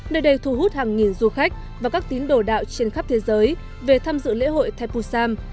nơi đây thu hút hàng nghìn du khách và các tín đồ đạo trên khắp thế giới về tham dự lễ hội the pusam